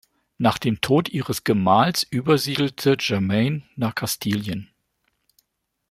Nach dem Tod ihres Gemahls übersiedelte Germaine nach Kastilien.